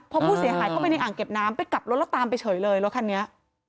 พอผู้เสียหายเข้าไปในอ่างเก็บน้ำไปกลับรถแล้วตามไปเฉยเลยรถคันนี้